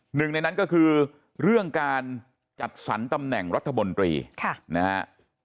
หนึ่งในนั้นก็คือเรื่องการจัดสรรตำแหน่งรัฐมนตรีนะฮะ